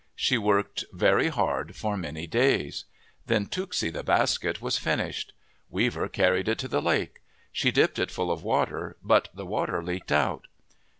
She worked very hard for many days. Then tooksi, the basket, was finished. Weaver carried it to the lake. She dipped it full of water, but the water leaked out.